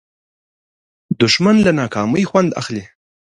دښمن له ناکامۍ خوند اخلي